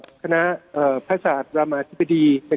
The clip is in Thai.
อ่าคณะอ่าพระศาสตร์เตะนะครับ